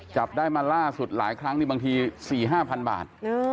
จับได้มาล่าสุดหลายครั้งนี่บางที๔๕๐๐๐บาท